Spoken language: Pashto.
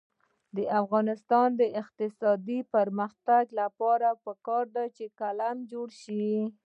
د افغانستان د اقتصادي پرمختګ لپاره پکار ده چې قلم جوړ شي.